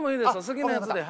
好きなやつで。